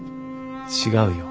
違うよ。